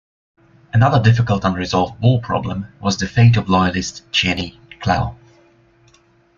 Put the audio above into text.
Another difficult unresolved war problem was the fate of loyalist Cheney Clow.